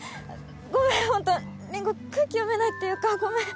ごめんホントりんご空気読めないっていうかごめん